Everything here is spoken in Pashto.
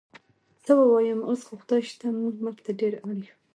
څه ووایم، اوس خو خدای شته موږ ملک ته ډېر اړ یو.